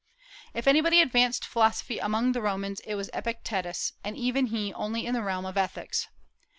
If anybody advanced philosophy among the Romans it was Epictetus, and even he only in the realm of ethics.